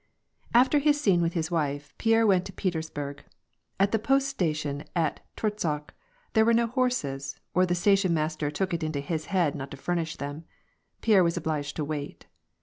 After his scene with his wife, Pierre went to Petersburg. At the post station at Torzhok, there were no horses, or the station master took it into his head not to famish them. Pierre was obliged to wait.